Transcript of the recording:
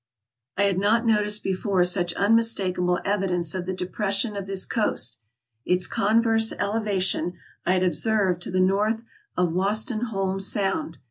I had not noticed before such unmistakable evidence of the depression of this coast; its converse elevation I had observed to the north of Wostenholme Sound.